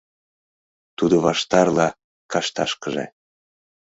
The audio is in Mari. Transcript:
Тудо ваштарла кашташкыже